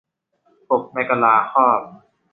กบในกะลาครอบ